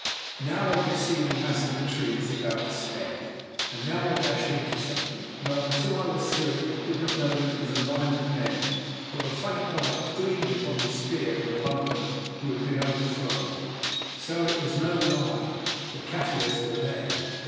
Now I could see the mass of the trees about the stead. And now I dashed into something, though until I was through it, I did not know that it was a line of men, for the faint light gleamed upon the spear of one of them who had been overthrown! So it was no lie! The Kaffirs were there!